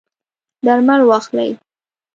درمل واخلئ